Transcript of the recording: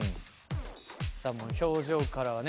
さあ表情からはね